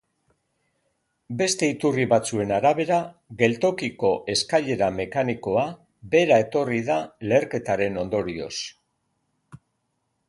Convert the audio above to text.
Beste iturri batzuen arabera, geltokiko eskailera mekanikoa behera etorri da leherketaren ondorioz.